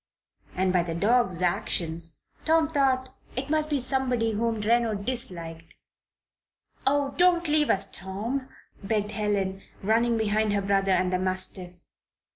And by the dog's actions Tom thought it must be somebody whom Reno disliked. "Oh, don't leave us, Tom!" begged Helen, running behind her brother and the mastiff.